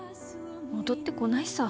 戻ってこないさ。